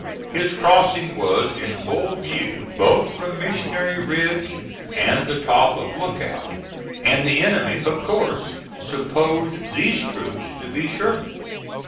His crossing was in full view both from Missionary Ridge and the top of Lookout, and the enemy of course supposed these troops to be Sherman's.